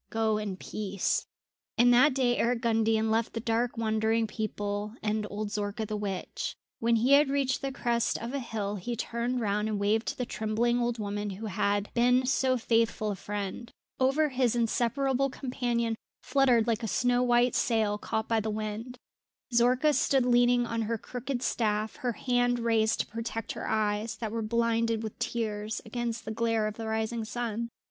Go in peace." And that day Eric Gundian left the dark wandering people and old Zorka the witch. When he had reached the crest of a hill he turned round and waved to the trembling old woman who had been so faithful a friend. Over his head his inseparable companion fluttered like a snow white sail caught by the wind. Zorka stood leaning on her crooked staff, her hand raised to protect her eyes, that were blinded with tears, against the glare of the rising sun.